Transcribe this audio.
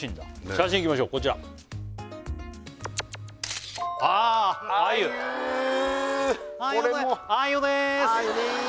写真いきましょうこちらああゆあゆあゆです